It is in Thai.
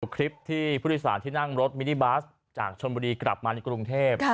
คลิปที่ผู้โดยสารที่นั่งรถมินิบัสจากชนบุรีกลับมาในกรุงเทพ